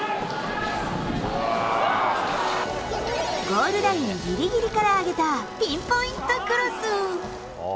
ゴールラインぎりぎりから上げたピンポイントクロス。